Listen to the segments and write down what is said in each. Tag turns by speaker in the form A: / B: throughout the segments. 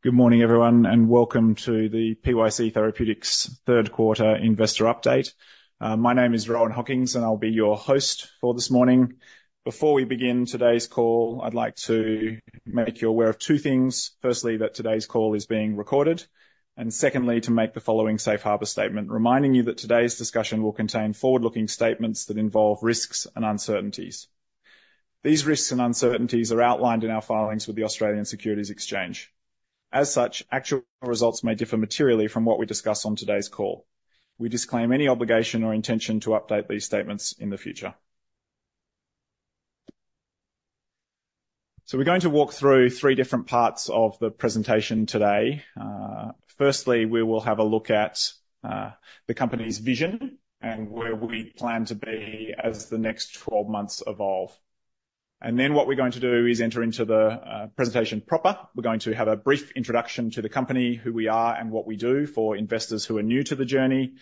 A: Good morning, everyone, and welcome to the PYC Therapeutics third quarter investor update. My name is Rohan Hockings, and I'll be your host for this morning. Before we begin today's call, I'd like to make you aware of two things. Firstly, that today's call is being recorded, and secondly, to make the following safe harbor statement, reminding you that today's discussion will contain forward-looking statements that involve risks and uncertainties. These risks and uncertainties are outlined in our filings with the Australian Securities Exchange. As such, actual results may differ materially from what we discuss on today's call. We disclaim any obligation or intention to update these statements in the future. So we're going to walk through three different parts of the presentation today. Firstly, we will have a look at the company's vision and where we plan to be as the next twelve months evolve. And then, what we're going to do is enter into the presentation proper. We're going to have a brief introduction to the company, who we are and what we do, for investors who are new to the journey.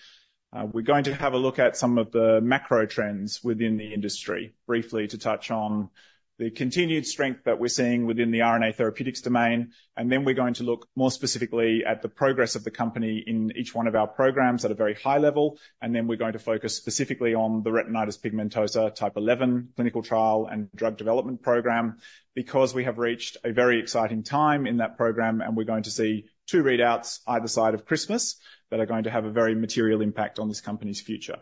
A: We're going to have a look at some of the macro trends within the industry, briefly to touch on the continued strength that we're seeing within the RNA therapeutics domain. And then we're going to look more specifically at the progress of the company in each one of our programs at a very high level, and then we're going to focus specifically on the retinitis pigmentosa type 11 clinical trial and drug development program, because we have reached a very exciting time in that program, and we're going to see two readouts either side of Christmas that are going to have a very material impact on this company's future.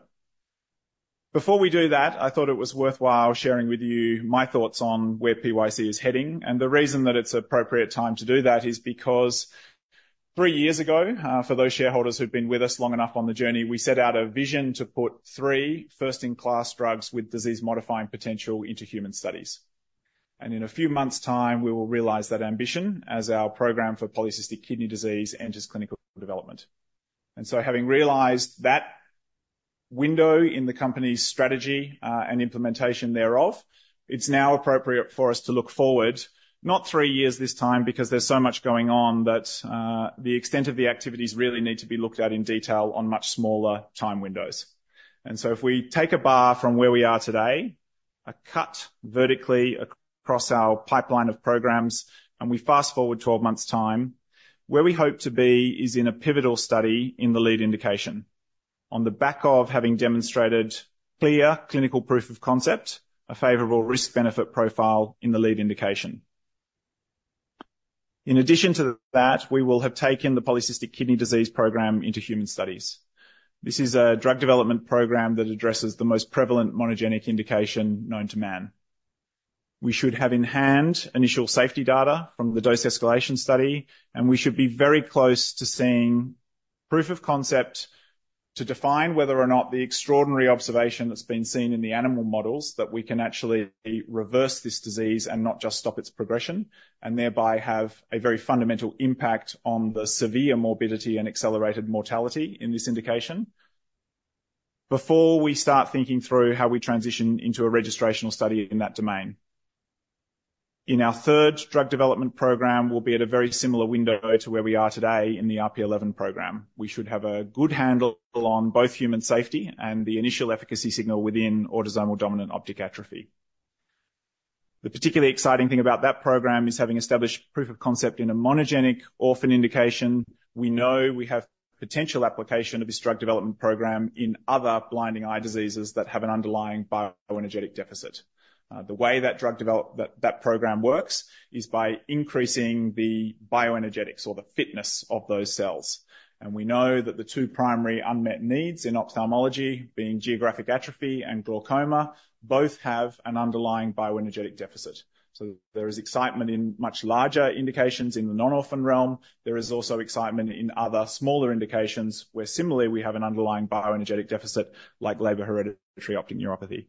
A: Before we do that, I thought it was worthwhile sharing with you my thoughts on where PYC is heading, and the reason that it's an appropriate time to do that is because three years ago, for those shareholders who've been with us long enough on the journey, we set out a vision to put three first-in-class drugs with disease-modifying potential into human studies, and in a few months' time, we will realize that ambition as our program for polycystic kidney disease enters clinical development, and so, having realized that window in the company's strategy, and implementation thereof, it's now appropriate for us to look forward, not three years this time, because there's so much going on that, the extent of the activities really need to be looked at in detail on much smaller time windows. And so if we take a bar from where we are today, a cut vertically across our pipeline of programs, and we fast forward twelve months' time, where we hope to be is in a pivotal study in the lead indication. On the back of having demonstrated clear clinical proof of concept, a favorable risk-benefit profile in the lead indication. In addition to that, we will have taken the polycystic kidney disease program into human studies. This is a drug development program that addresses the most prevalent monogenic indication known to man. We should have in hand initial safety data from the dose escalation study, and we should be very close to seeing proof of concept to define whether or not the extraordinary observation that's been seen in the animal models, that we can actually reverse this disease and not just stop its progression, and thereby have a very fundamental impact on the severe morbidity and accelerated mortality in this indication. Before we start thinking through how we transition into a registrational study in that domain. In our third drug development program, we'll be at a very similar window to where we are today in the RP eleven program. We should have a good handle on both human safety and the initial efficacy signal within autosomal dominant optic atrophy. The particularly exciting thing about that program is having established proof of concept in a monogenic orphan indication. We know we have potential application of this drug development program in other blinding eye diseases that have an underlying bioenergetic deficit. The way that program works is by increasing the bioenergetics or the fitness of those cells. And we know that the two primary unmet needs in ophthalmology, being geographic atrophy and glaucoma, both have an underlying bioenergetic deficit. So there is excitement in much larger indications in the non-orphan realm. There is also excitement in other smaller indications, where similarly, we have an underlying bioenergetic deficit, like Leber hereditary optic neuropathy.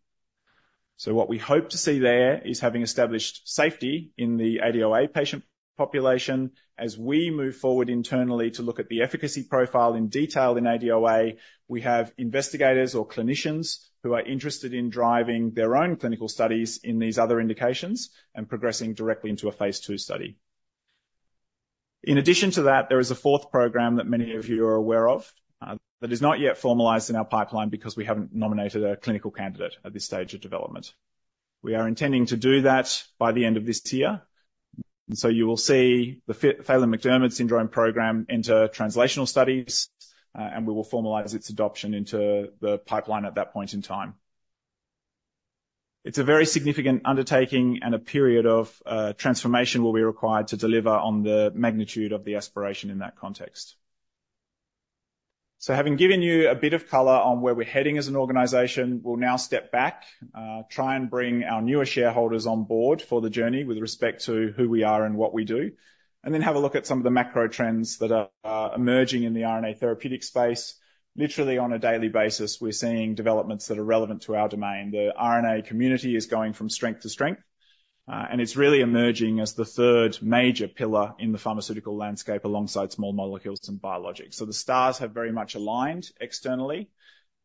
A: So what we hope to see there is having established safety in the ADOA patient population. As we move forward internally to look at the efficacy profile in detail in ADOA, we have investigators or clinicians who are interested in driving their own clinical studies in these other indications and progressing directly into a phase II study. In addition to that, there is a fourth program that many of you are aware of that is not yet formalized in our pipeline because we haven't nominated a clinical candidate at this stage of development. We are intending to do that by the end of this year, and so you will see the Phelan-McDermid syndrome program enter translational studies, and we will formalize its adoption into the pipeline at that point in time. It's a very significant undertaking, and a period of transformation will be required to deliver on the magnitude of the aspiration in that context. Having given you a bit of color on where we're heading as an organization, we'll now step back, try and bring our newer shareholders on board for the journey with respect to who we are and what we do, and then have a look at some of the macro trends that are emerging in the RNA therapeutic space. Literally, on a daily basis, we're seeing developments that are relevant to our domain. The RNA community is going from strength to strength, and it's really emerging as the third major pillar in the pharmaceutical landscape, alongside small molecules and biologics. The stars have very much aligned externally,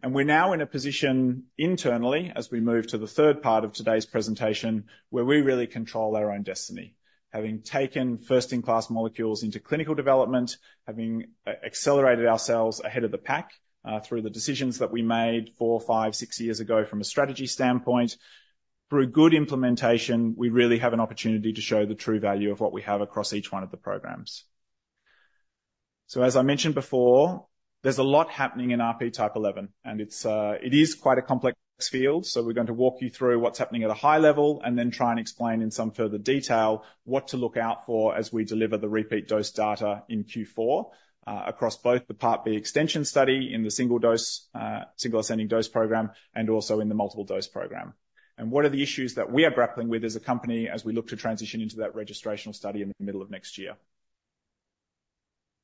A: and we're now in a position internally, as we move to the third part of today's presentation, where we really control our own destiny. Having taken first-in-class molecules into clinical development, having accelerated ourselves ahead of the pack through the decisions that we made four, five, six years ago from a strategy standpoint. Through a good implementation, we really have an opportunity to show the true value of what we have across each one of the programs, so as I mentioned before, there's a lot happening in RP type 11, and it is quite a complex field, so we're going to walk you through what's happening at a high level and then try and explain in some further detail what to look out for as we deliver the repeat dose data in Q4 across both the Part B extension study in the single ascending dose program, and also in the multiple dose program. What are the issues that we are grappling with as a company, as we look to transition into that registrational study in the middle of next year?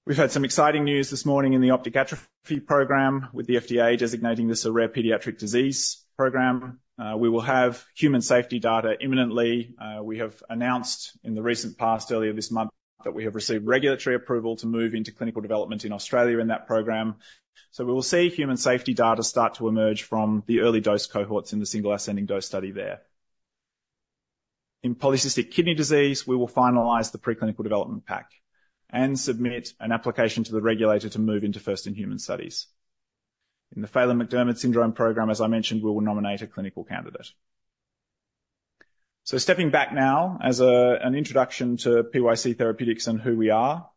A: We've had some exciting news this morning in the optic atrophy program, with the FDA designating this a rare pediatric disease program. We will have human safety data imminently. We have announced in the recent past, earlier this month, that we have received regulatory approval to move into clinical development in Australia in that program. So we will see human safety data start to emerge from the early dose cohorts in the single ascending dose study there. In polycystic kidney disease, we will finalize the preclinical development pack and submit an application to the regulator to move into first-in-human studies. In the Phelan-McDermid syndrome program, as I mentioned, we will nominate a clinical candidate. Stepping back now, as an introduction to PYC Therapeutics and who we are.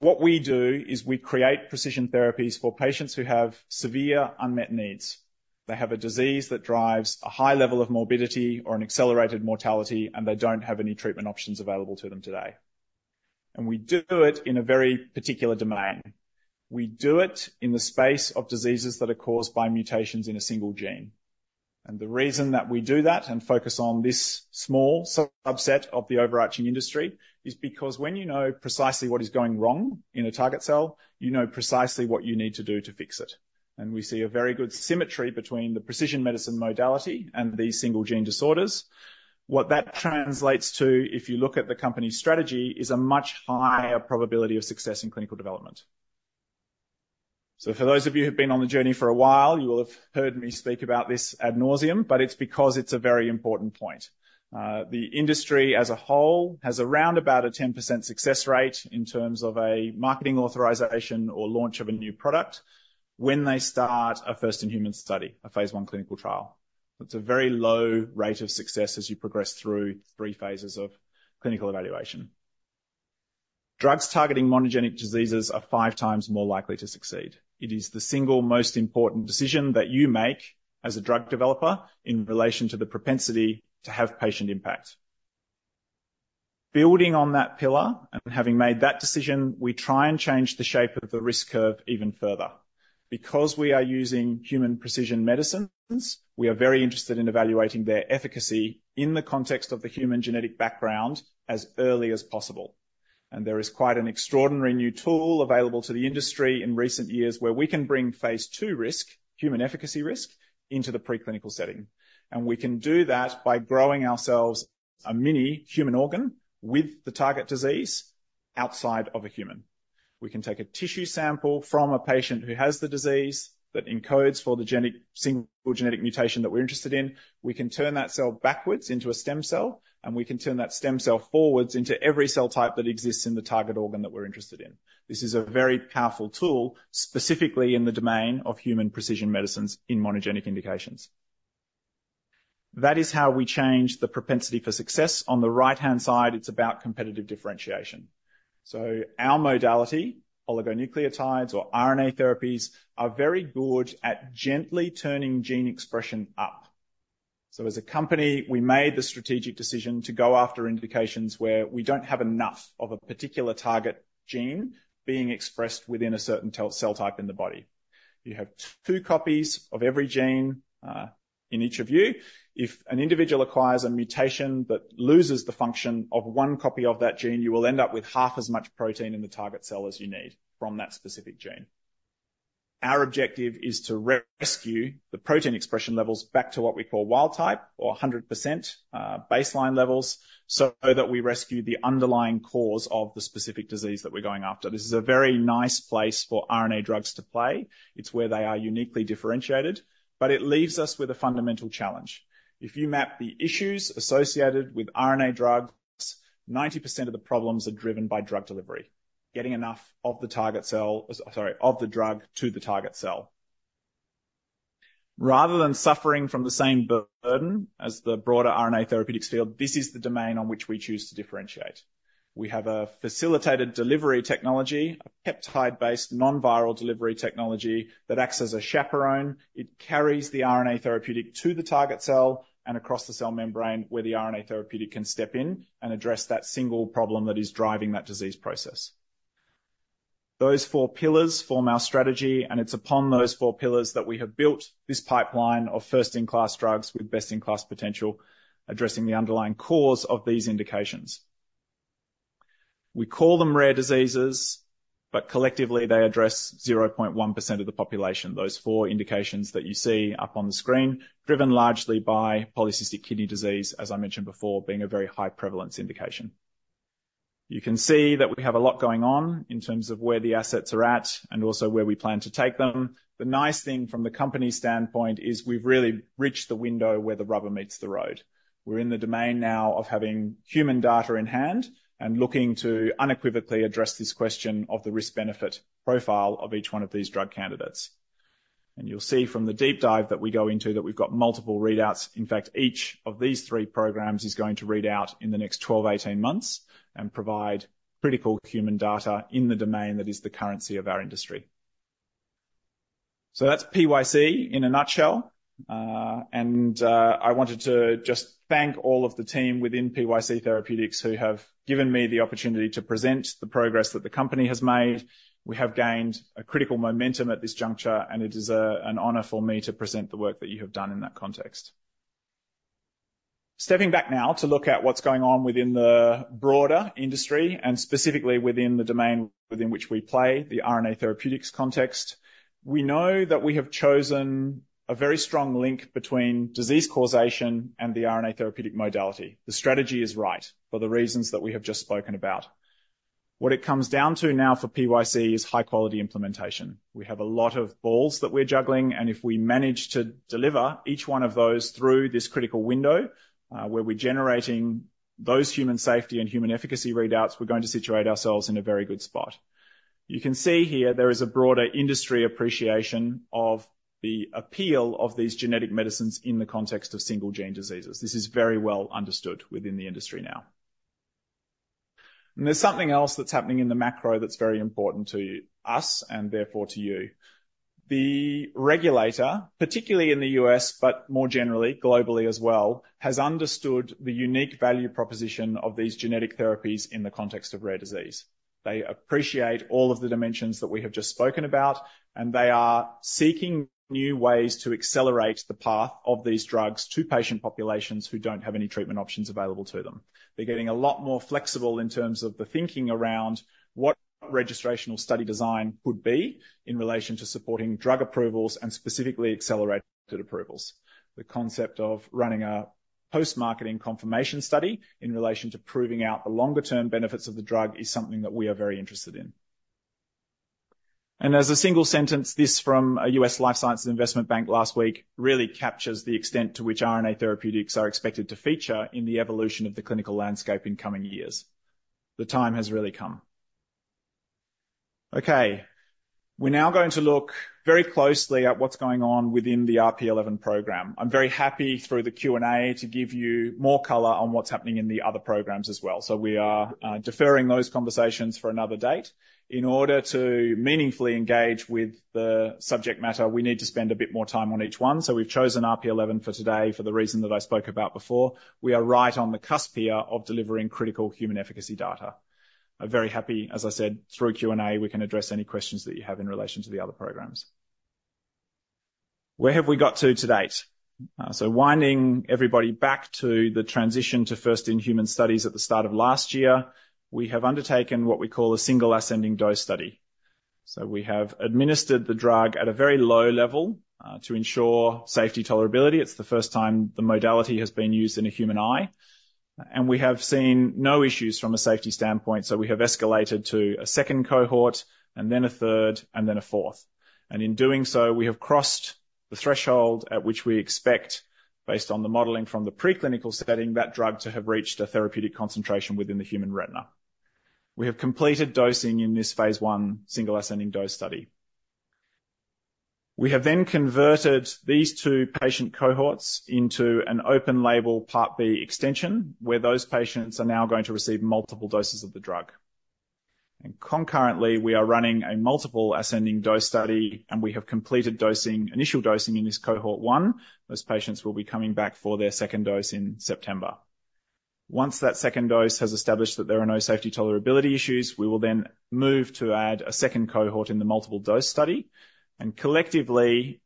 A: What we do is we create precision therapies for patients who have severe unmet needs. They have a disease that drives a high level of morbidity or an accelerated mortality, and they don't have any treatment options available to them today. And we do it in a very particular domain. We do it in the space of diseases that are caused by mutations in a single gene. And the reason that we do that, and focus on this small subset of the overarching industry, is because when you know precisely what is going wrong in a target cell, you know precisely what you need to do to fix it. And we see a very good symmetry between the precision medicine modality and these single gene disorders. What that translates to, if you look at the company's strategy, is a much higher probability of success in clinical development. So for those of you who've been on the journey for a while, you will have heard me speak about this ad nauseam, but it's because it's a very important point. The industry as a whole has around about a 10% success rate in terms of a marketing authorization or launch of a new product when they start a first-in-human study, a phase I clinical trial. It's a very low rate of success as you progress through three phases of clinical evaluation. Drugs targeting monogenic diseases are five times more likely to succeed. It is the single most important decision that you make as a drug developer in relation to the propensity to have patient impact. Building on that pillar and having made that decision, we try and change the shape of the risk curve even further. Because we are using human precision medicines, we are very interested in evaluating their efficacy in the context of the human genetic background as early as possible, and there is quite an extraordinary new tool available to the industry in recent years, where we can bring phase II risk, human efficacy risk, into the preclinical setting, and we can do that by growing ourselves a mini human organ with the target disease outside of a human. We can take a tissue sample from a patient who has the disease that encodes for the single genetic mutation that we're interested in. We can turn that cell backwards into a stem cell, and we can turn that stem cell forwards into every cell type that exists in the target organ that we're interested in. This is a very powerful tool, specifically in the domain of human precision medicines in monogenic indications. That is how we change the propensity for success. On the right-hand side, it's about competitive differentiation. So our modality, oligonucleotides or RNA therapies, are very good at gently turning gene expression up. So as a company, we made the strategic decision to go after indications where we don't have enough of a particular target gene being expressed within a certain cell type in the body. You have two copies of every gene in each of you. If an individual acquires a mutation that loses the function of one copy of that gene, you will end up with half as much protein in the target cell as you need from that specific gene. Our objective is to re-rescue the protein expression levels back to what we call wild type or 100%, baseline levels, so that we rescue the underlying cause of the specific disease that we're going after. This is a very nice place for RNA drugs to play. It's where they are uniquely differentiated, but it leaves us with a fundamental challenge. If you map the issues associated with RNA drugs, 90% of the problems are driven by drug delivery, getting enough of the target cell, sorry, of the drug to the target cell. Rather than suffering from the same burden as the broader RNA therapeutics field, this is the domain on which we choose to differentiate. We have a facilitated delivery technology, a peptide-based, non-viral delivery technology that acts as a chaperone. It carries the RNA therapeutic to the target cell and across the cell membrane, where the RNA therapeutic can step in and address that single problem that is driving that disease process. Those four pillars form our strategy, and it's upon those four pillars that we have built this pipeline of first-in-class drugs with best-in-class potential, addressing the underlying cause of these indications. We call them rare diseases, but collectively, they address 0.1% of the population, those four indications that you see up on the screen, driven largely by polycystic kidney disease, as I mentioned before, being a very high prevalence indication. You can see that we have a lot going on in terms of where the assets are at and also where we plan to take them. The nice thing from the company's standpoint is we've really reached the window where the rubber meets the road. We're in the domain now of having human data in hand and looking to unequivocally address this question of the risk-benefit profile of each one of these drug candidates. And you'll see from the deep dive that we go into, that we've got multiple readouts. In fact, each of these three programs is going to read out in the next 12-18 months and provide critical human data in the domain that is the currency of our industry. So that's PYC in a nutshell. I wanted to just thank all of the team within PYC Therapeutics who have given me the opportunity to present the progress that the company has made. We have gained a critical momentum at this juncture, and it is an honor for me to present the work that you have done in that context. Stepping back now to look at what's going on within the broader industry and specifically within the domain within which we play, the RNA therapeutics context, we know that we have chosen a very strong link between disease causation and the RNA therapeutic modality. The strategy is right for the reasons that we have just spoken about. What it comes down to now for PYC is high-quality implementation. We have a lot of balls that we're juggling, and if we manage to deliver each one of those through this critical window, where we're generating those human safety and human efficacy readouts, we're going to situate ourselves in a very good spot. You can see here there is a broader industry appreciation of the appeal of these genetic medicines in the context of single-gene diseases. This is very well understood within the industry now, and there's something else that's happening in the macro that's very important to us, and therefore, to you. The regulator, particularly in the U.S., but more generally, globally as well, has understood the unique value proposition of these genetic therapies in the context of rare disease. They appreciate all of the dimensions that we have just spoken about, and they are seeking new ways to accelerate the path of these drugs to patient populations who don't have any treatment options available to them. They're getting a lot more flexible in terms of the thinking around what registrational study design could be in relation to supporting drug approvals and specifically accelerated approvals. The concept of running a post-marketing confirmation study in relation to proving out the longer-term benefits of the drug is something that we are very interested in. And as a single sentence, this from a U.S. life sciences investment bank last week, really captures the extent to which RNA therapeutics are expected to feature in the evolution of the clinical landscape in coming years. The time has really come. Okay, we're now going to look very closely at what's going on within the RP11 program. I'm very happy through the Q&A to give you more color on what's happening in the other programs as well. So we are deferring those conversations for another date. In order to meaningfully engage with the subject matter, we need to spend a bit more time on each one, so we've chosen RP11 for today for the reason that I spoke about before. We are right on the cusp here of delivering critical human efficacy data. I'm very happy, as I said, through Q&A, we can address any questions that you have in relation to the other programs. Where have we got to date? Winding everybody back to the transition to first-in-human studies at the start of last year, we have undertaken what we call a single ascending dose study. We have administered the drug at a very low level to ensure safety tolerability. It's the first time the modality has been used in a human eye, and we have seen no issues from a safety standpoint, so we have escalated to a second cohort, and then a third, and then a fourth. In doing so, we have crossed the threshold at which we expect, based on the modeling from the preclinical setting, that drug to have reached a therapeutic concentration within the human retina. We have completed dosing in this phase I single ascending dose study. We have then converted these two patient cohorts into an open-label Part B extension, where those patients are now going to receive multiple doses of the drug, and concurrently, we are running a multiple ascending dose study, and we have completed dosing, initial dosing in this cohort one. Those patients will be coming back for their second dose in September. Once that second dose has established that there are no safety tolerability issues, we will then move to add a second cohort in the multiple dose study, and collectively,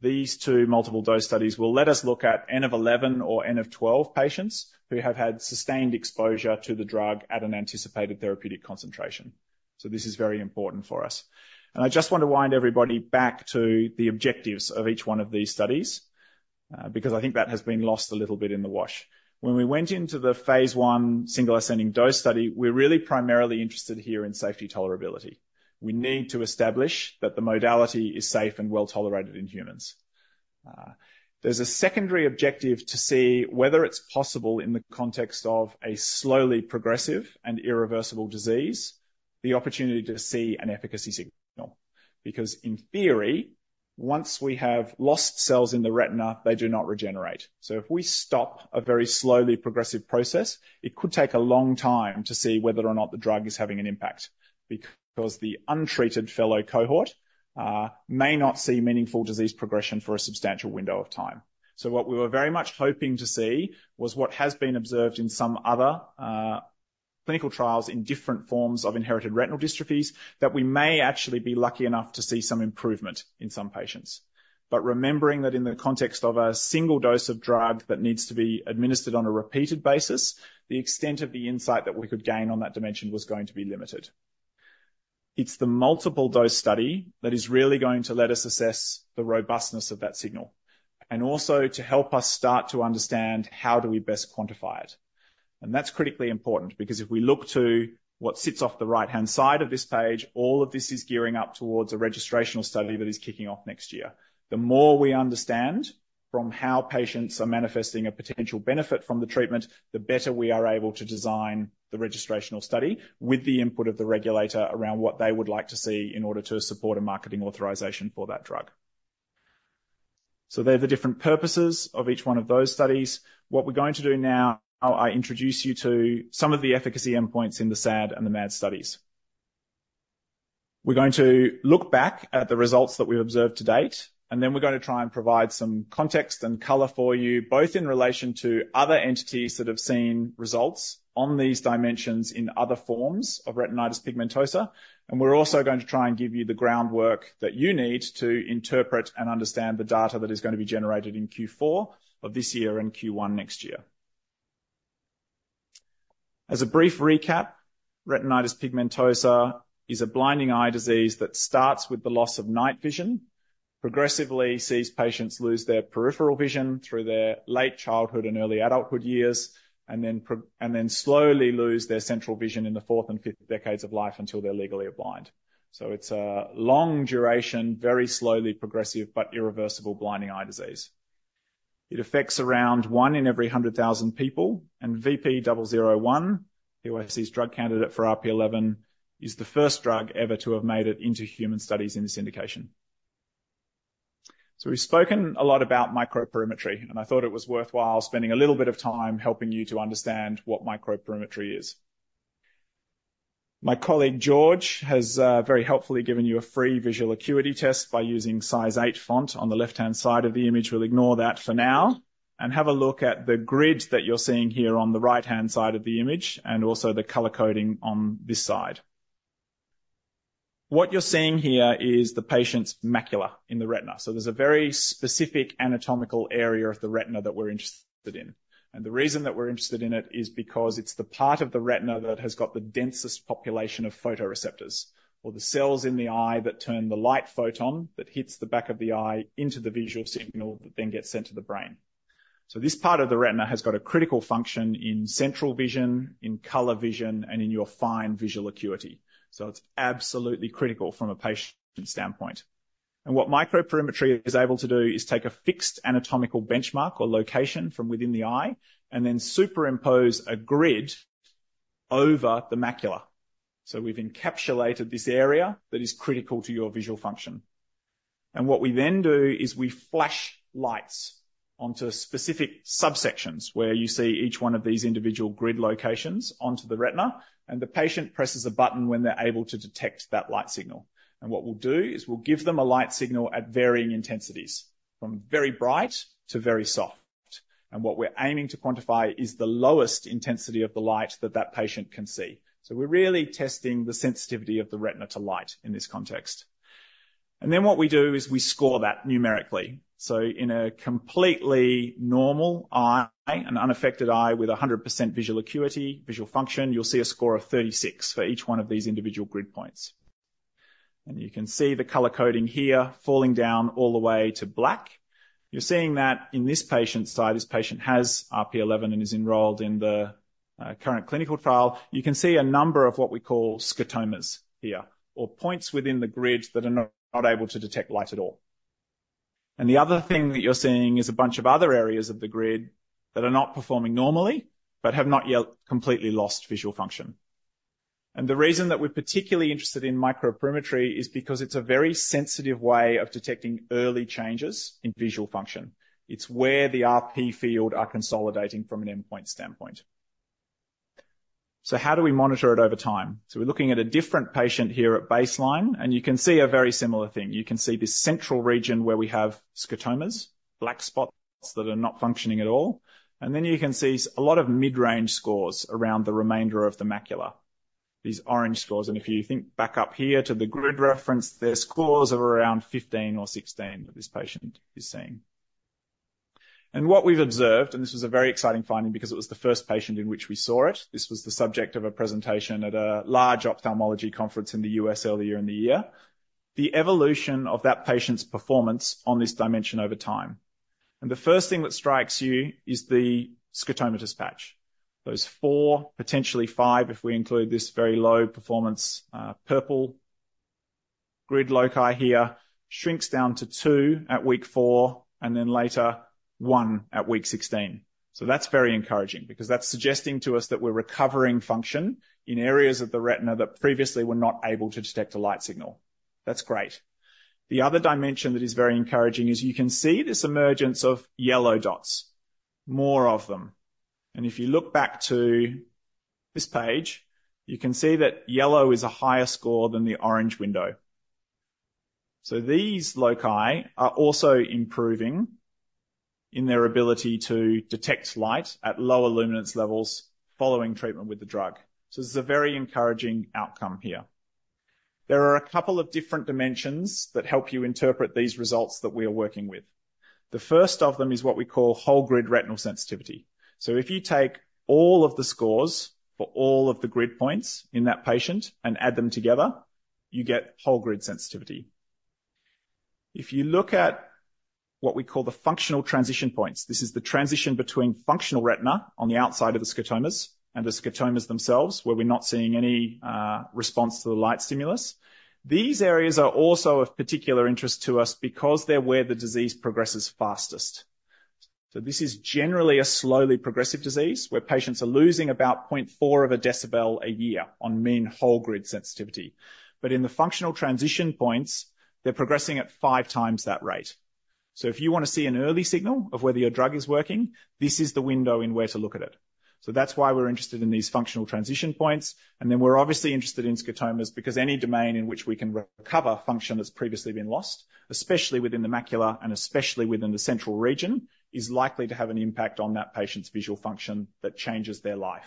A: these two multiple dose studies will let us look at N of 11 or N of 12 patients who have had sustained exposure to the drug at an anticipated therapeutic concentration, so this is very important for us. I just want to wind everybody back to the objectives of each one of these studies, because I think that has been lost a little bit in the wash. When we went into the phase I single ascending dose study, we're really primarily interested here in safety tolerability. We need to establish that the modality is safe and well tolerated in humans. There's a secondary objective to see whether it's possible in the context of a slowly progressive and irreversible disease, the opportunity to see an efficacy signal, because in theory, once we have lost cells in the retina, they do not regenerate. So if we stop a very slowly progressive process, it could take a long time to see whether or not the drug is having an impact, because the untreated fellow cohort may not see meaningful disease progression for a substantial window of time. So what we were very much hoping to see was what has been observed in some other, clinical trials in different forms of inherited retinal dystrophies, that we may actually be lucky enough to see some improvement in some patients. But remembering that in the context of a single dose of drug that needs to be administered on a repeated basis, the extent of the insight that we could gain on that dimension was going to be limited. It's the multiple dose study that is really going to let us assess the robustness of that signal, and also to help us start to understand how do we best quantify it. And that's critically important, because if we look to what sits off the right-hand side of this page, all of this is gearing up towards a registrational study that is kicking off next year. The more we understand from how patients are manifesting a potential benefit from the treatment, the better we are able to design the registrational study with the input of the regulator around what they would like to see in order to support a marketing authorization for that drug. So they're the different purposes of each one of those studies. What we're going to do now, I'll introduce you to some of the efficacy endpoints in the SAD and the MAD studies. We're going to look back at the results that we've observed to date, and then we're gonna try and provide some context and color for you, both in relation to other entities that have seen results on these dimensions in other forms of retinitis pigmentosa. And we're also going to try and give you the groundwork that you need to interpret and understand the data that is gonna be generated in Q4 of this year and Q1 next year. As a brief recap, retinitis pigmentosa is a blinding eye disease that starts with the loss of night vision, progressively sees patients lose their peripheral vision through their late childhood and early adulthood years, and then and then slowly lose their central vision in the fourth and fifth decades of life until they're legally blind. So it's a long duration, very slowly progressive, but irreversible blinding eye disease. It affects around one in every hundred thousand people, and VP-001, PYC's drug candidate for RP11, is the first drug ever to have made it into human studies in this indication. So we've spoken a lot about microperimetry, and I thought it was worthwhile spending a little bit of time helping you to understand what microperimetry is. My colleague, George, has very helpfully given you a free visual acuity test by using size eight font on the left-hand side of the image. We'll ignore that for now and have a look at the grid that you're seeing here on the right-hand side of the image and also the color coding on this side. What you're seeing here is the patient's macula in the retina. So there's a very specific anatomical area of the retina that we're interested in. And the reason that we're interested in it is because it's the part of the retina that has got the densest population of photoreceptors, or the cells in the eye, that turn the light photon that hits the back of the eye into the visual signal that then gets sent to the brain, so this part of the retina has got a critical function in central vision, in color vision, and in your fine visual acuity, so it's absolutely critical from a patient standpoint, and what microperimetry is able to do is take a fixed anatomical benchmark or location from within the eye and then superimpose a grid over the macula, so we've encapsulated this area that is critical to your visual function. And what we then do is we flash lights onto specific subsections, where you see each one of these individual grid locations onto the retina, and the patient presses a button when they're able to detect that light signal. And what we'll do is we'll give them a light signal at varying intensities, from very bright to very soft. And what we're aiming to quantify is the lowest intensity of the light that that patient can see. So we're really testing the sensitivity of the retina to light in this context. And then what we do is we score that numerically. So in a completely normal eye, an unaffected eye with 100% visual acuity, visual function, you'll see a score of 36 for each one of these individual grid points. And you can see the color coding here falling down all the way to black. You're seeing that in this patient's side. This patient has RP11 and is enrolled in the current clinical trial. You can see a number of what we call scotomas here, or points within the grid that are not able to detect light at all. And the other thing that you're seeing is a bunch of other areas of the grid that are not performing normally, but have not yet completely lost visual function. And the reason that we're particularly interested in microperimetry is because it's a very sensitive way of detecting early changes in visual function. It's where the RP field are consolidating from an endpoint standpoint. So how do we monitor it over time? So we're looking at a different patient here at baseline, and you can see a very similar thing. You can see this central region where we have scotomas, black spots that are not functioning at all, and then you can see a lot of mid-range scores around the remainder of the macula, these orange scores, and if you think back up here to the grid reference, they're scores of around fifteen or sixteen that this patient is seeing, and what we've observed, and this was a very exciting finding because it was the first patient in which we saw it, this was the subject of a presentation at a large ophthalmology conference in the U.S. earlier in the year, the evolution of that patient's performance on this dimension over time, and the first thing that strikes you is the scotomatous patch. Those four, potentially five, if we include this very low performance purple grid loci here, shrinks down to two at week four and then later one at week 16. So that's very encouraging because that's suggesting to us that we're recovering function in areas of the retina that previously were not able to detect a light signal. That's great. The other dimension that is very encouraging is you can see this emergence of yellow dots, more of them. And if you look back to this page, you can see that yellow is a higher score than the orange window. So these loci are also improving in their ability to detect light at lower luminance levels following treatment with the drug. So this is a very encouraging outcome here. There are a couple of different dimensions that help you interpret these results that we are working with. The first of them is what we call whole grid retinal sensitivity. So if you take all of the scores for all of the grid points in that patient and add them together, you get whole grid sensitivity. If you look at what we call the functional transition points, this is the transition between functional retina on the outside of the scotomas and the scotomas themselves, where we're not seeing any response to the light stimulus. These areas are also of particular interest to us because they're where the disease progresses fastest. So this is generally a slowly progressive disease, where patients are losing about point four of a decibel a year on mean whole grid sensitivity. But in the functional transition points, they're progressing at five times that rate. So if you wanna see an early signal of whether your drug is working, this is the window in where to look at it. So that's why we're interested in these functional transition points, and then we're obviously interested in scotomas, because any domain in which we can recover function that's previously been lost, especially within the macula and especially within the central region, is likely to have an impact on that patient's visual function that changes their life.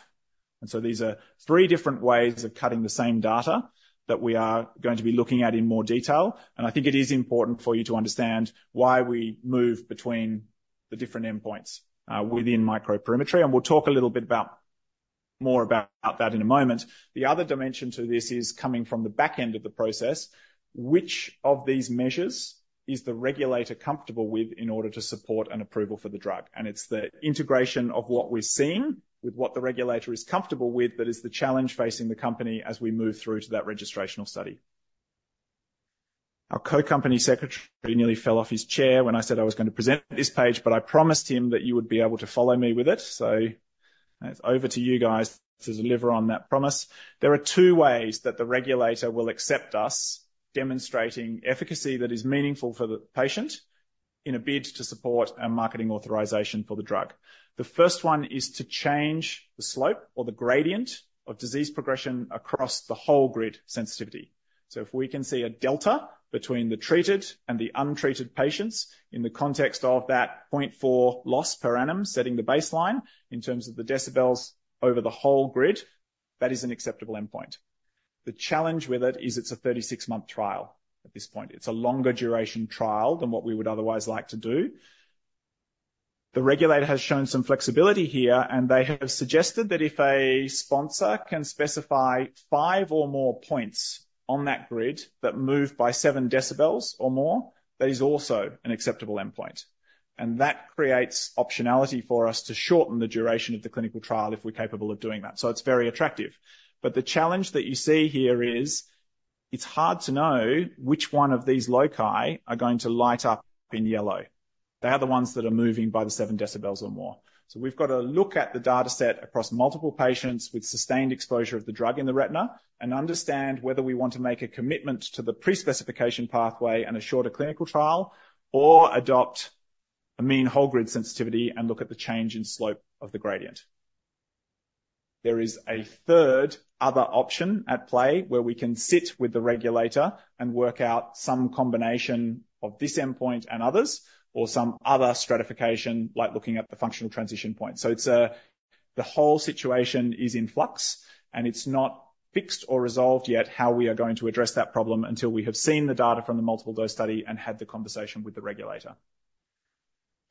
A: And so these are three different ways of cutting the same data that we are going to be looking at in more detail, and I think it is important for you to understand why we move between the different endpoints within microperimetry. And we'll talk a little bit more about that in a moment. The other dimension to this is coming from the back end of the process. Which of these measures is the regulator comfortable with in order to support an approval for the drug? And it's the integration of what we're seeing with what the regulator is comfortable with that is the challenge facing the company as we move through to that registrational study. Our co-company secretary nearly fell off his chair when I said I was gonna present this page, but I promised him that you would be able to follow me with it, so it's over to you guys to deliver on that promise. There are two ways that the regulator will accept us, demonstrating efficacy that is meaningful for the patient in a bid to support a marketing authorization for the drug. The first one is to change the slope or the gradient of disease progression across the whole grid sensitivity. So if we can see a delta between the treated and the untreated patients in the context of that point four loss per annum, setting the baseline in terms of the decibels over the whole grid, that is an acceptable endpoint. The challenge with it is it's a thirty-six-month trial at this point. It's a longer duration trial than what we would otherwise like to do. The regulator has shown some flexibility here, and they have suggested that if a sponsor can specify five or more points on that grid that move by seven decibels or more, that is also an acceptable endpoint, and that creates optionality for us to shorten the duration of the clinical trial if we're capable of doing that, so it's very attractive. But the challenge that you see here is, it's hard to know which one of these loci are going to light up in yellow. They are the ones that are moving by the seven decibels or more. So we've got to look at the data set across multiple patients with sustained exposure of the drug in the retina and understand whether we want to make a commitment to the pre-specification pathway and a shorter clinical trial or adopt a mean whole grid sensitivity and look at the change in slope of the gradient. There is a third other option at play, where we can sit with the regulator and work out some combination of this endpoint and others, or some other stratification, like looking at the functional transition point. So it's the whole situation is in flux, and it's not fixed or resolved yet how we are going to address that problem until we have seen the data from the multiple dose study and had the conversation with the regulator.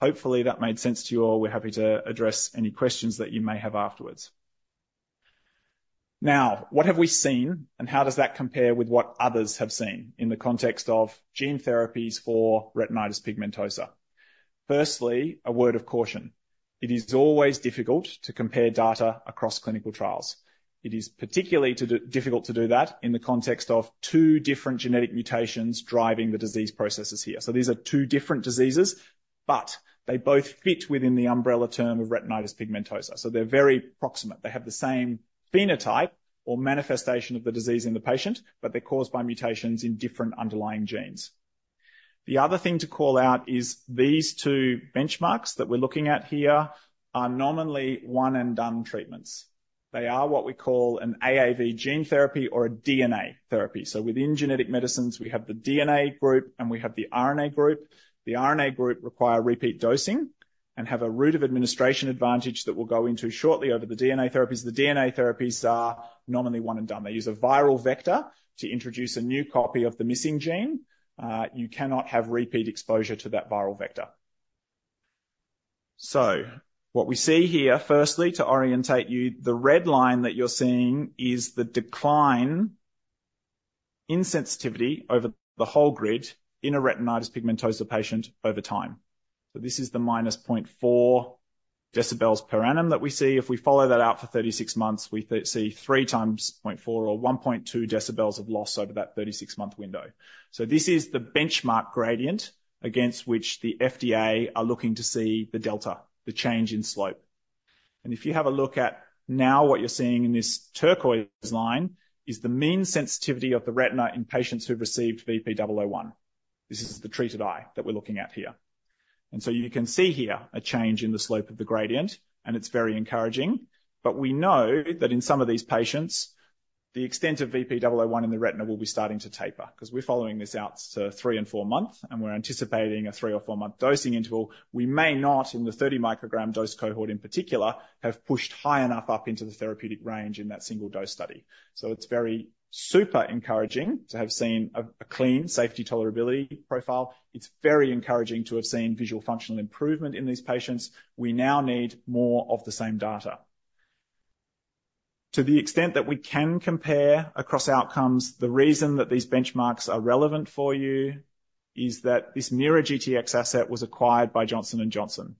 A: Hopefully, that made sense to you all. We're happy to address any questions that you may have afterwards. Now, what have we seen, and how does that compare with what others have seen in the context of gene therapies for retinitis pigmentosa? Firstly, a word of caution. It is always difficult to compare data across clinical trials. It is particularly difficult to do that in the context of two different genetic mutations driving the disease processes here. So these are two different diseases, but they both fit within the umbrella term of retinitis pigmentosa, so they're very proximate. They have the same phenotype or manifestation of the disease in the patient, but they're caused by mutations in different underlying genes. The other thing to call out is these two benchmarks that we're looking at here are nominally one-and-done treatments. They are what we call an AAV gene therapy or a DNA therapy. So within genetic medicines, we have the DNA group, and we have the RNA group. The RNA group require repeat dosing and have a route of administration advantage that we'll go into shortly over the DNA therapies. The DNA therapies are nominally one and done. They use a viral vector to introduce a new copy of the missing gene. You cannot have repeat exposure to that viral vector. What we see here, firstly, to orientate you, the red line that you're seeing is the decline in sensitivity over the whole grid in a retinitis pigmentosa patient over time. So this is the minus point four decibels per annum that we see. If we follow that out for thirty-six months, we see three times point four or one point two decibels of loss over that thirty-six-month window. So this is the benchmark gradient against which the FDA are looking to see the delta, the change in slope. And if you have a look at now what you're seeing in this turquoise line, is the mean sensitivity of the retina in patients who've received VP-001. This is the treated eye that we're looking at here. And so you can see here a change in the slope of the gradient, and it's very encouraging. but we know that in some of these patients, the extent of VP-001 in the retina will be starting to taper, 'cause we're following this out to three and four months, and we're anticipating a three or four-month dosing interval. We may not, in the 30-microgram dose cohort in particular, have pushed high enough up into the therapeutic range in that single-dose study. so it's very super encouraging to have seen a clean safety tolerability profile. It's very encouraging to have seen visual functional improvement in these patients. We now need more of the same data. To the extent that we can compare across outcomes, the reason that these benchmarks are relevant for you is that this MeiraGTx asset was acquired by Johnson & Johnson,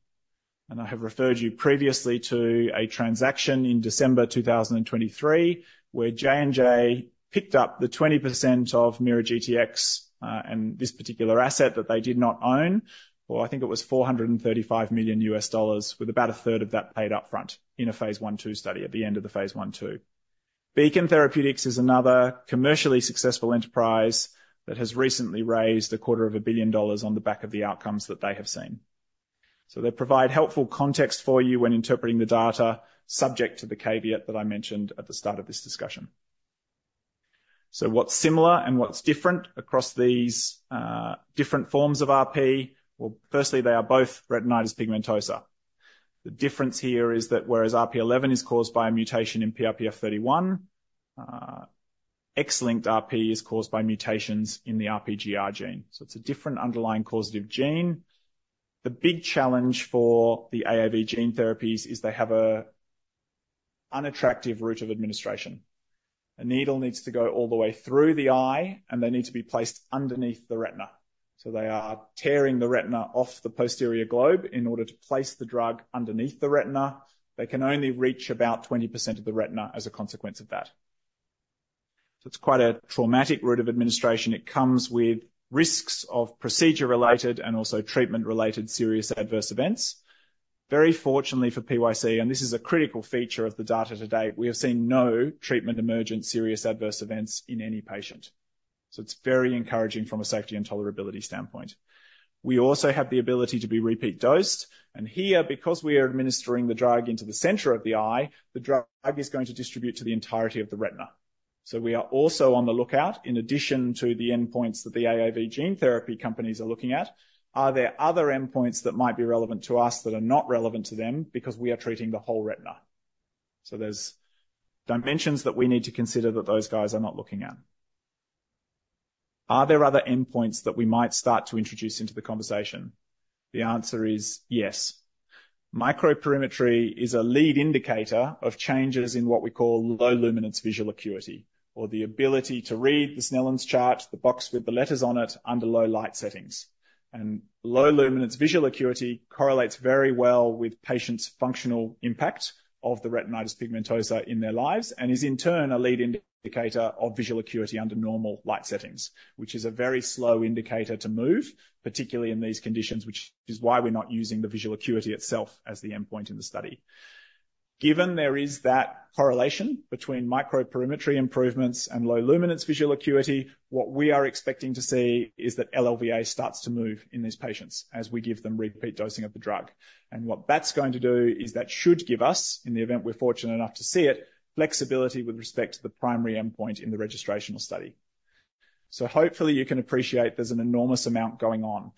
A: and I have referred you previously to a transaction in December 2023, where J&J picked up the 20% of MeiraGTx, and this particular asset that they did not own, or I think it was $435 million, with about a third of that paid up front in a phase I/II study at the end of the phase I/II. Beacon Therapeutics is another commercially successful enterprise that has recently raised $250 million on the back of the outcomes that they have seen. So they provide helpful context for you when interpreting the data, subject to the caveat that I mentioned at the start of this discussion. So what's similar and what's different across these different forms of RP? Well, firstly, they are both retinitis pigmentosa. The difference here is that whereas RP11 is caused by a mutation in PRPF31, X-linked RP is caused by mutations in the RPGR gene, so it's a different underlying causative gene. The big challenge for the AAV gene therapies is they have an unattractive route of administration. A needle needs to go all the way through the eye, and they need to be placed underneath the retina. So they are tearing the retina off the posterior globe in order to place the drug underneath the retina. They can only reach about 20% of the retina as a consequence of that. So it's quite a traumatic route of administration. It comes with risks of procedure-related and also treatment-related serious adverse events. Very fortunately for PYC, and this is a critical feature of the data to date, we have seen no treatment emergent serious adverse events in any patient. So it's very encouraging from a safety and tolerability standpoint. We also have the ability to be repeat dosed, and here, because we are administering the drug into the center of the eye, the drug is going to distribute to the entirety of the retina. So we are also on the lookout, in addition to the endpoints that the AAV gene therapy companies are looking at, are there other endpoints that might be relevant to us that are not relevant to them because we are treating the whole retina. So there's dimensions that we need to consider that those guys are not looking at. Are there other endpoints that we might start to introduce into the conversation? The answer is yes. Microperimetry is a lead indicator of changes in what we call low luminance visual acuity, or the ability to read the Snellen chart, the box with the letters on it, under low light settings. And low luminance visual acuity correlates very well with patients' functional impact of the retinitis pigmentosa in their lives and is, in turn, a lead indicator of visual acuity under normal light settings, which is a very slow indicator to move, particularly in these conditions, which is why we're not using the visual acuity itself as the endpoint in the study. Given there is that correlation between microperimetry improvements and low luminance visual acuity, what we are expecting to see is that LLVA starts to move in these patients as we give them repeat dosing of the drug. And what that's going to do is that should give us, in the event we're fortunate enough to see it, flexibility with respect to the primary endpoint in the registrational study. So hopefully you can appreciate there's an enormous amount going on.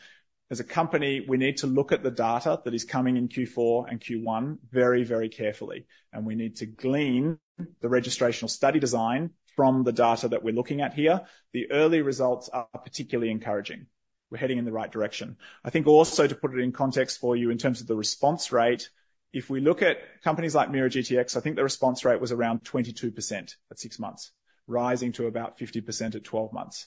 A: As a company, we need to look at the data that is coming in Q4 and Q1 very, very carefully, and we need to glean the registrational study design from the data that we're looking at here. The early results are particularly encouraging. We're heading in the right direction. I think also to put it in context for you in terms of the response rate, if we look at companies like MeiraGTx, I think their response rate was around 22% at 6 months, rising to about 50% at 12 months.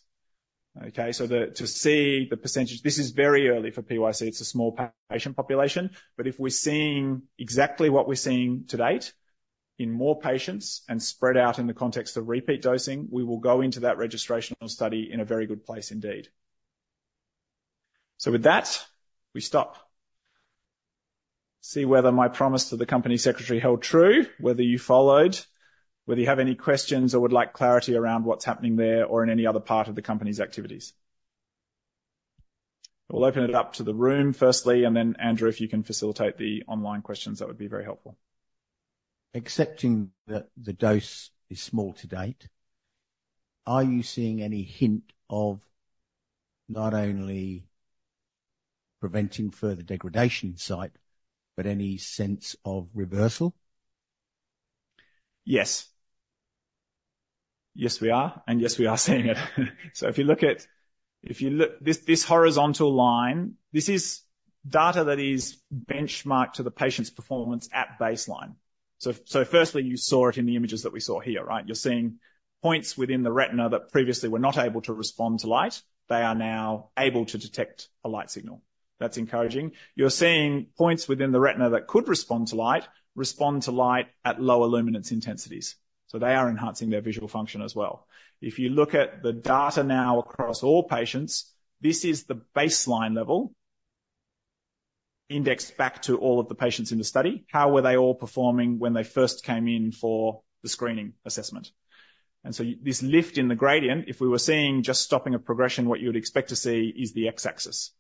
A: Okay, so to see the percentage, this is very early for PYC. It's a small patient population, but if we're seeing exactly what we're seeing to date in more patients and spread out in the context of repeat dosing, we will go into that registrational study in a very good place indeed. With that, we stop. See whether my promise to the company secretary held true, whether you followed, whether you have any questions or would like clarity around what's happening there or in any other part of the company's activities. We'll open it up to the room firstly, and then, Andrew, if you can facilitate the online questions, that would be very helpful. Accepting that the dose is small to date, are you seeing any hint of not only preventing further degradation in sight, but any sense of reversal? Yes. Yes, we are, and yes, we are seeing it. So if you look at this horizontal line, this is data that is benchmarked to the patient's performance at baseline. So firstly, you saw it in the images that we saw here, right? You're seeing points within the retina that previously were not able to respond to light. They are now able to detect a light signal. That's encouraging. You're seeing points within the retina that could respond to light at lower luminance intensities, so they are enhancing their visual function as well. If you look at the data now across all patients, this is the baseline level indexed back to all of the patients in the study. How were they all performing when they first came in for the screening assessment? And so this lift in the gradient, if we were seeing just stopping a progression, what you would expect to see is the X-axis....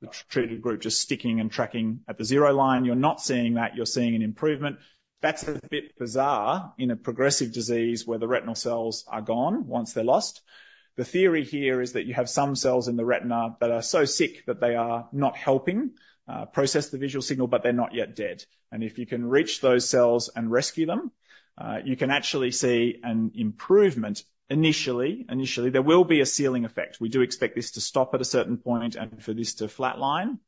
A: the treated group just sticking and tracking at the zero line. You're not seeing that, you're seeing an improvement. That's a bit bizarre in a progressive disease where the retinal cells are gone once they're lost. The theory here is that you have some cells in the retina that are so sick that they are not helping process the visual signal, but they're not yet dead. And if you can reach those cells and rescue them, you can actually see an improvement initially. Initially, there will be a ceiling effect. We do expect this to stop at a certain point and for this to flatline.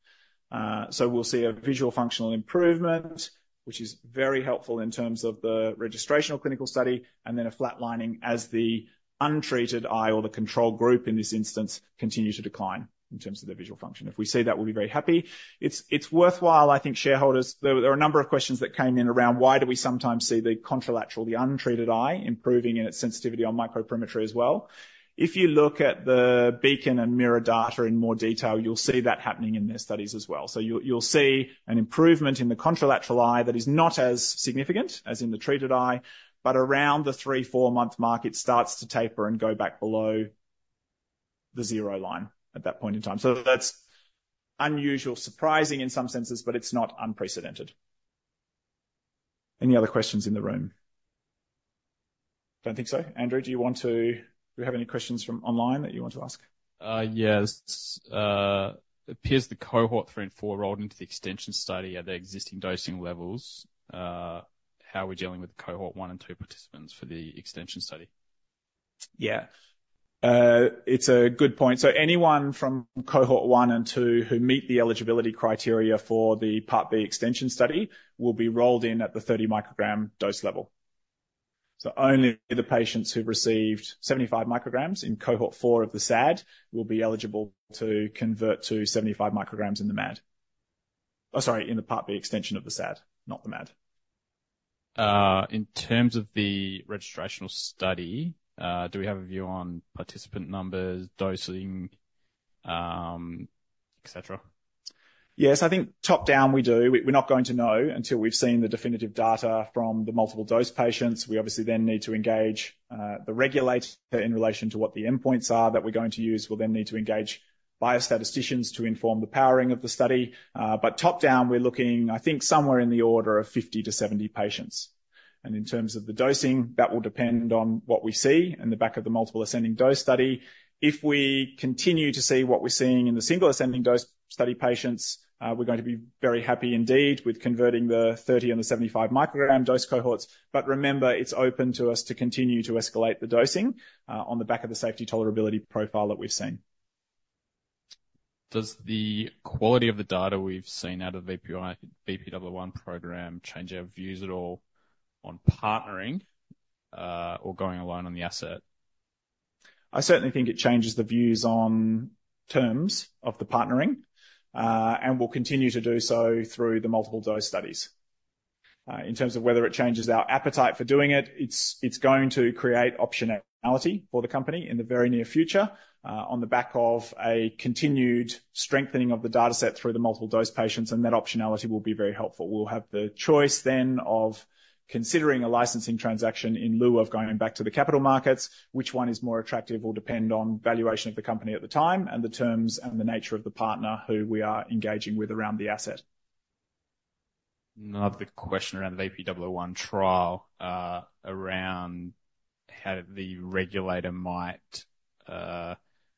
A: So we'll see a visual functional improvement, which is very helpful in terms of the registrational clinical study, and then a flatlining as the untreated eye or the control group, in this instance, continue to decline in terms of their visual function. If we see that, we'll be very happy. It's worthwhile, I think, shareholders, there were a number of questions that came in around why do we sometimes see the contralateral, the untreated eye, improving in its sensitivity on microperimetry as well? If you look at the Beacon and MeiraGTx data in more detail, you'll see that happening in their studies as well. So you'll see an improvement in the contralateral eye that is not as significant as in the treated eye, but around the three- to four-month mark, it starts to taper and go back below the zero line at that point in time. So that's unusual, surprising in some senses, but it's not unprecedented. Any other questions in the room? Don't think so. Andrew, do you want to... Do we have any questions from online that you want to ask?
B: Yes. Appears the cohort three and four rolled into the extension study at the existing dosing levels. How are we dealing with cohort one and two participants for the extension study?
A: Yeah. It's a good point. So anyone from cohort one and two who meet the eligibility criteria for the Part B extension study will be rolled in at the 30 microgram dose level. So only the patients who received 75 micrograms in cohort four of the SAD will be eligible to convert to 75 micrograms in the MAD. Oh, sorry, in the Part B extension of the SAD, not the MAD.
B: In terms of the registrational study, do we have a view on participant numbers, dosing, et cetera?
A: Yes, I think top-down, we do. We, we're not going to know until we've seen the definitive data from the multiple dose patients. We obviously then need to engage the regulator in relation to what the endpoints are that we're going to use. We'll then need to engage biostatisticians to inform the powering of the study. But top-down, we're looking, I think, somewhere in the order of 50 to 70 patients. And in terms of the dosing, that will depend on what we see in the back of the multiple ascending dose study. If we continue to see what we're seeing in the single ascending dose study patients, we're going to be very happy indeed with converting the 30 and the 75 microgram dose cohorts. But remember, it's open to us to continue to escalate the dosing, on the back of the safety tolerability profile that we've seen.
B: Does the quality of the data we've seen out of VP-001 program change our views at all on partnering, or going alone on the asset?
A: I certainly think it changes the views on terms of the partnering, and will continue to do so through the multiple dose studies. In terms of whether it changes our appetite for doing it, it's going to create optionality for the company in the very near future, on the back of a continued strengthening of the dataset through the multiple dose patients, and that optionality will be very helpful. We'll have the choice then of considering a licensing transaction in lieu of going back to the capital markets. Which one is more attractive will depend on valuation of the company at the time, and the terms and the nature of the partner who we are engaging with around the asset.
B: Another question around the RP11 trial, around how the regulator might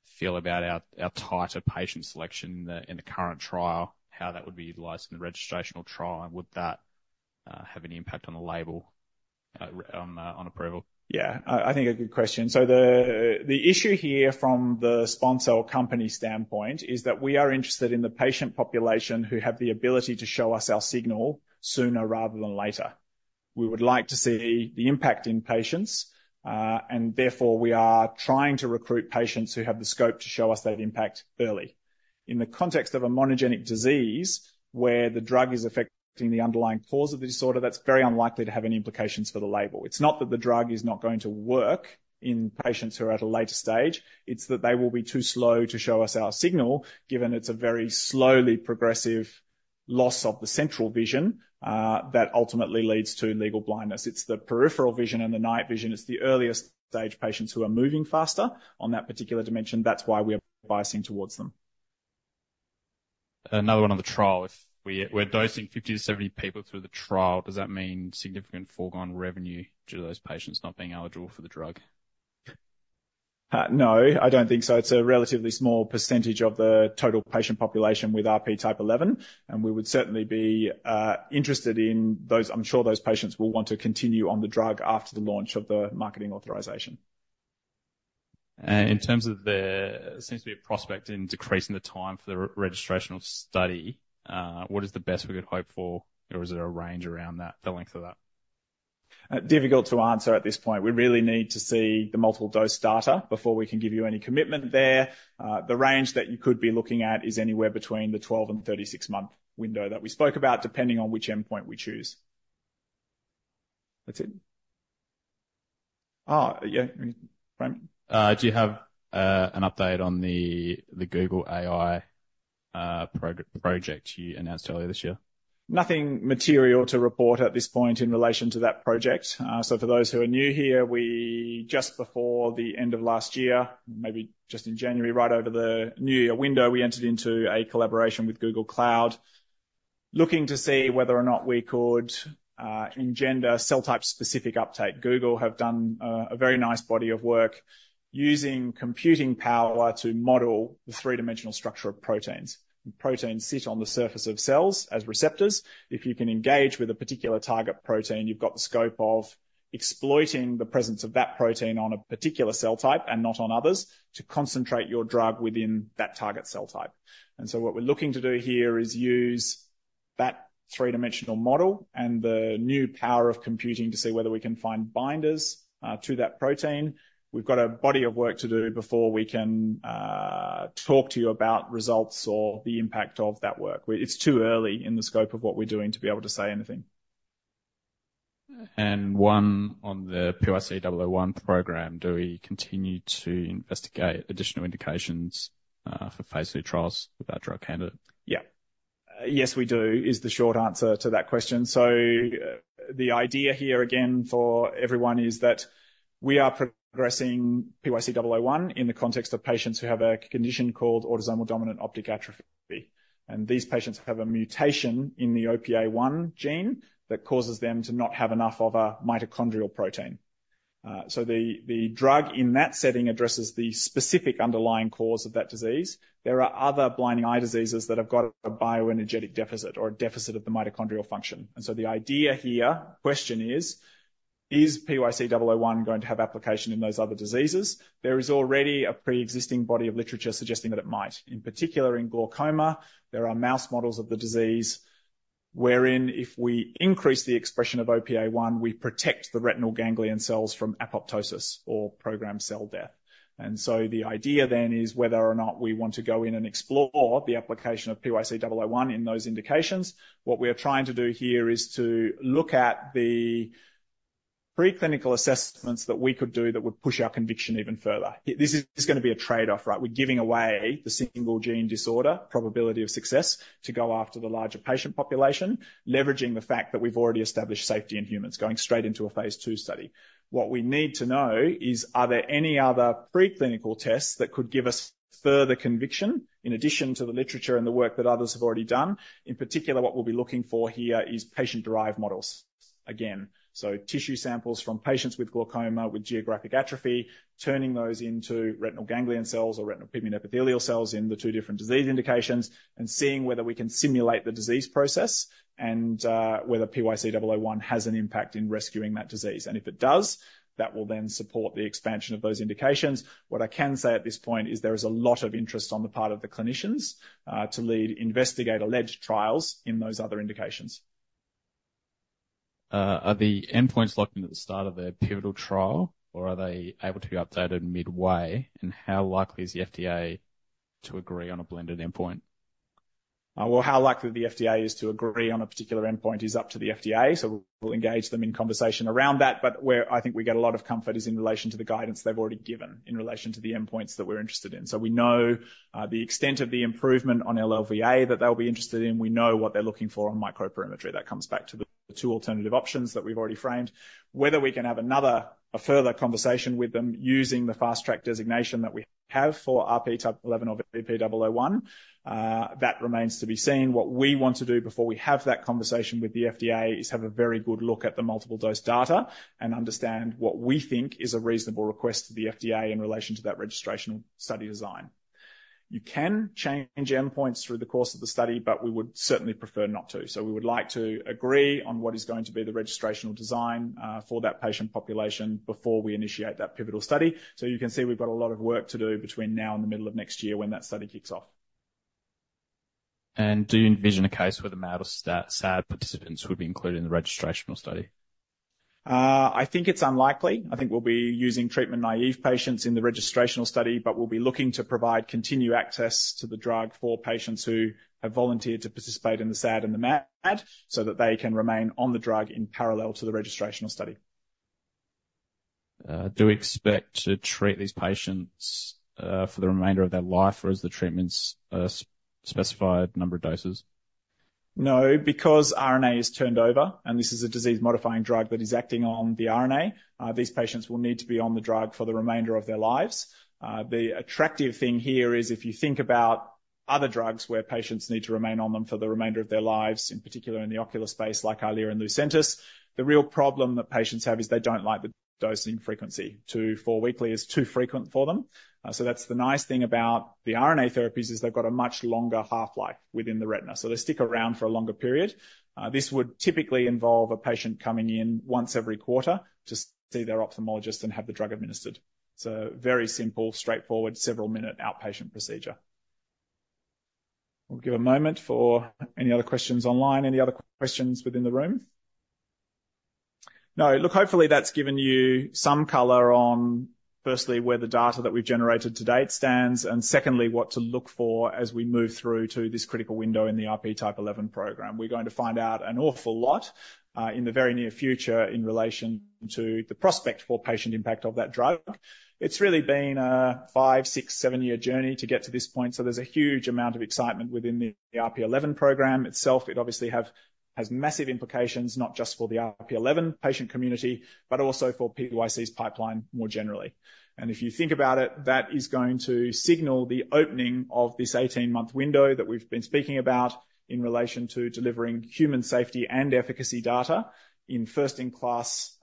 B: feel about our tighter patient selection in the current trial, how that would be utilized in the registrational trial, and would that have any impact on the label regarding approval?
A: Yeah, I think a good question. So the issue here from the sponsor or company standpoint is that we are interested in the patient population who have the ability to show us our signal sooner rather than later. We would like to see the impact in patients, and therefore, we are trying to recruit patients who have the scope to show us that impact early. In the context of a monogenic disease, where the drug is affecting the underlying cause of the disorder, that's very unlikely to have any implications for the label. It's not that the drug is not going to work in patients who are at a later stage, it's that they will be too slow to show us our signal, given it's a very slowly progressive loss of the central vision that ultimately leads to legal blindness. It's the peripheral vision and the night vision, it's the earliest stage patients who are moving faster on that particular dimension. That's why we are biasing towards them.
B: Another one on the trial. If we're dosing 50-70 people through the trial, does that mean significant foregone revenue due to those patients not being eligible for the drug?
A: No, I don't think so. It's a relatively small percentage of the total patient population with RP type 11, and we would certainly be interested in those. I'm sure those patients will want to continue on the drug after the launch of the marketing authorization.
B: In terms of, there seems to be a prospect of decreasing the time for the registrational study, what is the best we could hope for, or is there a range around that, the length of that?
A: Difficult to answer at this point. We really need to see the multiple dose data before we can give you any commitment there. The range that you could be looking at is anywhere between the 12 and 36-month window that we spoke about, depending on which endpoint we choose. That's it? Oh, yeah, Brian. Do you have an update on the Google AI project you announced earlier this year? nothing material to report at this point in relation to that project. So for those who are new here, we, just before the end of last year, maybe just in January, right over the New Year window, we entered into a collaboration with Google Cloud, looking to see whether or not we could, engender cell type-specific uptake. Google have done a very nice body of work using computing power to model the three-dimensional structure of proteins. Proteins sit on the surface of cells as receptors. If you can engage with a particular target protein, you've got the scope of exploiting the presence of that protein on a particular cell type, and not on others, to concentrate your drug within that target cell type. And so what we're looking to do here is use that three-dimensional model and the new power of computing to see whether we can find binders to that protein. We've got a body of work to do before we can talk to you about results or the impact of that work. It's too early in the scope of what we're doing to be able to say anything. One on the PYC-001 program, do we continue to investigate additional indications for phase II trials with that drug candidate? Yeah. Yes, we do, is the short answer to that question. So, the idea here, again, for everyone, is that we are progressing PYC-001 in the context of patients who have a condition called autosomal dominant optic atrophy, and these patients have a mutation in the OPA1 gene that causes them to not have enough of a mitochondrial protein, so the drug in that setting addresses the specific underlying cause of that disease. There are other blinding eye diseases that have got a bioenergetic deficit or a deficit of the mitochondrial function, and so the idea here, question is: Is PYC-001 going to have application in those other diseases? There is already a pre-existing body of literature suggesting that it might. In particular, in glaucoma, there are mouse models of the disease wherein if we increase the expression of OPA1, we protect the retinal ganglion cells from apoptosis or programmed cell death. And so the idea then is whether or not we want to go in and explore the application of PYC-001 in those indications. What we are trying to do here is to look at the preclinical assessments that we could do that would push our conviction even further. This is going to be a trade-off, right? We're giving away the single gene disorder, probability of success, to go after the larger patient population, leveraging the fact that we've already established safety in humans, going straight into a phase II study. What we need to know is, are there any other preclinical tests that could give us further conviction in addition to the literature and the work that others have already done? In particular, what we'll be looking for here is patient-derived models. Again, so tissue samples from patients with glaucoma, with geographic atrophy, turning those into retinal ganglion cells or retinal pigment epithelial cells in the two different disease indications, and seeing whether we can simulate the disease process, and whether PYC-001 has an impact in rescuing that disease. And if it does, that will then support the expansion of those indications. What I can say at this point is there is a lot of interest on the part of the clinicians to lead investigator-led trials in those other indications. Are the endpoints locked in at the start of their pivotal trial, or are they able to be updated midway? And how likely is the FDA to agree on a blended endpoint? Well, how likely the FDA is to agree on a particular endpoint is up to the FDA, so we'll engage them in conversation around that. But where I think we get a lot of comfort is in relation to the guidance they've already given in relation to the endpoints that we're interested in. So we know, the extent of the improvement on LLVA that they'll be interested in. We know what they're looking for on microperimetry. That comes back to the two alternative options that we've already framed. Whether we can have another, a further conversation with them using the Fast Track designation that we have for RP type 11 or VP-001, that remains to be seen. What we want to do before we have that conversation with the FDA is have a very good look at the multiple dose data and understand what we think is a reasonable request to the FDA in relation to that registrational study design. You can change endpoints through the course of the study, but we would certainly prefer not to. So we would like to agree on what is going to be the registrational design for that patient population before we initiate that pivotal study. So you can see we've got a lot of work to do between now and the middle of next year when that study kicks off. And do you envision a case where the MAD or SAD participants would be included in the registrational study? I think it's unlikely. I think we'll be using treatment-naive patients in the registrational study, but we'll be looking to provide continued access to the drug for patients who have volunteered to participate in the SAD and the MAD, so that they can remain on the drug in parallel to the registrational study. Do we expect to treat these patients for the remainder of their life, or is the treatments a specified number of doses? No, because RNA is turned over, and this is a disease-modifying drug that is acting on the RNA, these patients will need to be on the drug for the remainder of their lives. The attractive thing here is if you think about other drugs where patients need to remain on them for the remainder of their lives, in particular in the ocular space, like Eylea and Lucentis, the real problem that patients have is they don't like the dosing frequency. Two to four weekly is too frequent for them. So that's the nice thing about the RNA therapies, is they've got a much longer half-life within the retina, so they stick around for a longer period. This would typically involve a patient coming in once every quarter to see their ophthalmologist and have the drug administered. It's a very simple, straightforward, several-minute outpatient procedure. We'll give a moment for any other questions online. Any other questions within the room? No. Look, hopefully, that's given you some color on, firstly, where the data that we've generated to date stands, and secondly, what to look for as we move through to this critical window in the RP type 11 program. We're going to find out an awful lot in the very near future in relation to the prospect for patient impact of that drug. It's really been a five, six, seven-year journey to get to this point, so there's a huge amount of excitement within the RP11 program itself. It obviously has massive implications, not just for the RP11 patient community, but also for PYC's pipeline more generally. And if you think about it, that is going to signal the opening of this eighteen-month window that we've been speaking about in relation to delivering human safety and efficacy data in first-in-class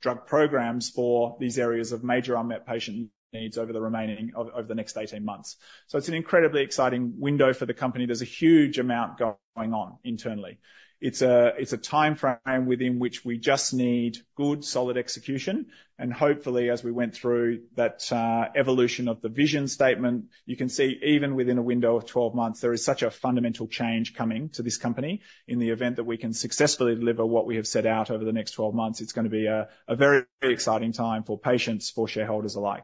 A: drug programs for these areas of major unmet patient needs over the remaining over the next eighteen months. So it's an incredibly exciting window for the company. There's a huge amount going on internally. It's a timeframe within which we just need good, solid execution, and hopefully, as we went through that evolution of the vision statement, you can see even within a window of twelve months, there is such a fundamental change coming to this company. In the event that we can successfully deliver what we have set out over the next twelve months, it's gonna be a very exciting time for patients, for shareholders alike.